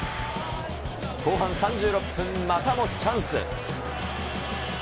後半３６分、またもチャンス。